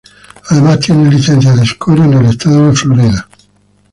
Además, tiene licencia de escort en el estado de Florida.